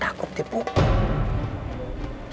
takut dipukul tuan